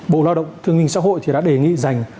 bộ lao động thương minh xã hội thì đã đề nghị dành